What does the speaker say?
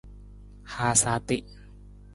Haasa ati.